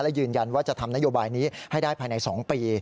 และยืนยันว่าจะทำนโยบายนี้ให้ได้ภายใน๒ปี